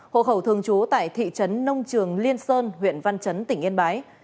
hộ khẩu thường chú tại thị trấn nông trường liên sơn huyện văn trấn tỉnh yên bái